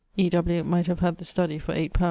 E. W. might have had the study for 8 _li.